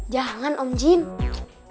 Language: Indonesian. jangan om gini